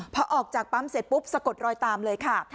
พอออกจากปั๊มเสร็จปุ๊บสะกดรอยตามเลยค่ะ